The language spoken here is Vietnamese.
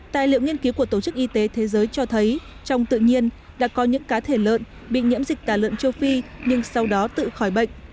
tài liệu nghiên cứu của tổ chức y tế thế giới cho thấy trong tự nhiên đã có những cá thể lợn bị nhiễm dịch tả lợn châu phi nhưng sau đó tự khỏi bệnh